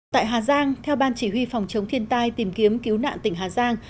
tại hà giang theo ban chỉ huy phòng chống thiên tai tìm kiếm cứu nạn tỉnh hà giang